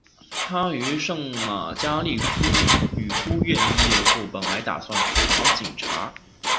她于圣玛加利女书院毕业后本来打算投考警察。